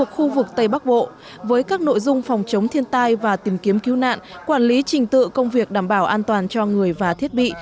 khu vực tây bắc bộ với các nội dung phòng chống thiên tai và tìm kiếm cứu nạn quản lý trình tự công việc đảm bảo an toàn cho người và thiết bị